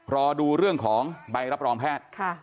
รอดูเรื่องของใบรับรองแพทย์